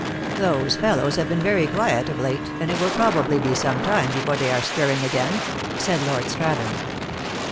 Those fellows have been very quiet of late, and it will probably be some time before they are stirring again," said Lord Strathern.